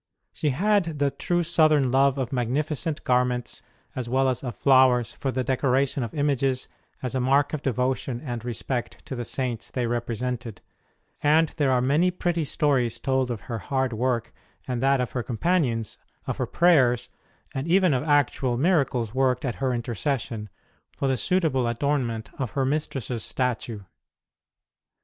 She had the true Southern love of magnificent garments, as well as of flowers, for the decoration of images as a mark of devotion and respect to the Saints they represented; and there are many pretty stories told of her hard work and that of her companions, of her prayers, and even of actual miracles worked at her intercession, for the suit able adornment of her mistress s statue.